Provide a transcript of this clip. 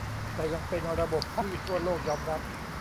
แต่ยังเป็นระบบที่ทั่วโลกยอมรับ